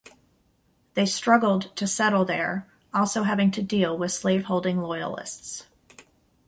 They struggled to settle there, also having to deal with slaveholding Loyalists.